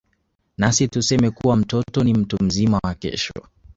Nasi tuseme kuwa mtoto ni mtu mzima wa Kesho.